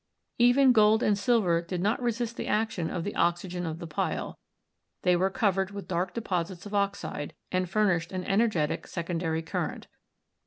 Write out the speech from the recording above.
Even gold and silver did not resist the action of the oxygen of the pile; they were covered with dark deposits of oxide, and furnished an energetic secondary current.